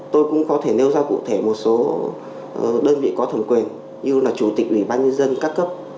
tôi cũng có thể nêu ra cụ thể một số đơn vị có thẩm quyền như là chủ tịch ủy ban nhân dân các cấp